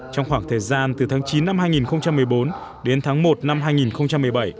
trong khoảng thời gian từ tháng chín năm hai nghìn một mươi bốn đến tháng một năm hai nghìn một mươi bảy